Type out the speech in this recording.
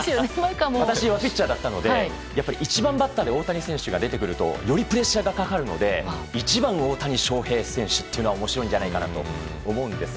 私はピッチャーだったので１番バッターで大谷選手が出てくるとよりプレッシャーがかかるので１番、大谷翔平選手っていうのは面白いんじゃないかなと思うんですが。